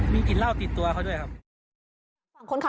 มีกลิ่นเหล้าติดตัวเขาด้วยครับ